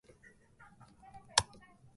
パプリカ花が咲いたら、晴れた空に種をまこう